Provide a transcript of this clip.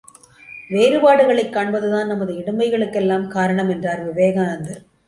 வேறுபாடுகளைக் காண்பதுதான் நமது இடும்பைகளுக்கெல்லாம் காரணம் என்றார் விவேகானந்தர்.